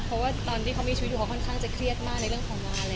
เพราะว่าตอนที่เขามีชีวิตอยู่เขาค่อนข้างจะเครียดมากในเรื่องของงานเลย